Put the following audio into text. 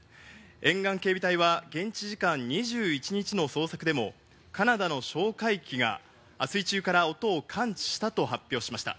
沿岸警備隊は現地時間２１日の捜索でもカナダの哨戒機が水中から音を感知したと発表しました。